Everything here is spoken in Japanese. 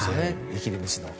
生きる道の。